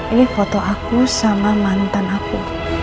ini foto aku sama mantan aku